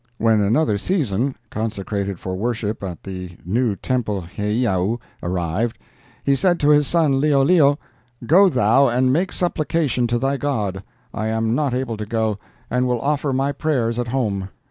When another season, consecrated for worship at the new temple (heiau) arrived; he said to his son, Liholiho, 'Go thou and make supplication to thy god; I am not able to go, and will offer my prayers at home.